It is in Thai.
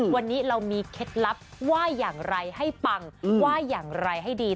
วันนี้เรามีเคล็ดลับว่าอย่างไรให้ปังว่าอย่างไรให้ดี